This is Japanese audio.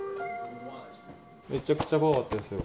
めちゃくちゃ怖かったですよ。